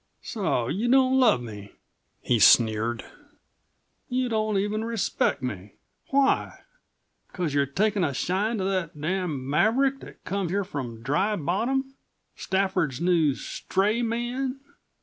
"So you don't love me?" he sneered. "You don't even respect me. Why? Because you've taken a shine to that damned maverick that come here from Dry Bottom Stafford's new stray man!"